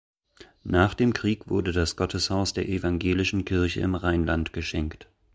Nach dem Krieg wurde das Gotteshaus der Evangelischen Kirche im Rheinland geschenkt.